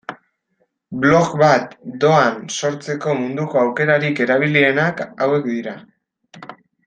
Blog bat doan sortzeko munduko aukerarik erabilienak hauek dira.